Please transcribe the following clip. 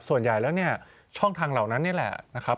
ส่วนใหญ่แล้วเนี่ยช่องทางเหล่านั้นนี่แหละนะครับ